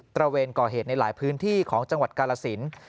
ระเวนก่อเหตุในหลายพื้นที่ของจังหวัดกาลสิน